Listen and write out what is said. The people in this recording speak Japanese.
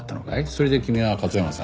それで君は勝山さんを。